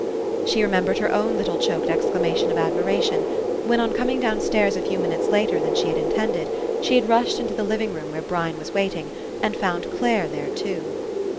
She remembered her ov/n little choked exclamation of admiration, when, on coming downstairs a few minutes later than she had intended, she had rushed into the living room where Brian was waiting and had found Clare there too.